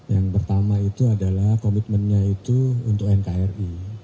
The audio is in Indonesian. yang pertama komitmennya itu untuk nkri